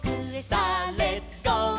「さあレッツゴー！」